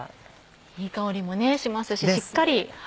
いい香りもしますししっかり。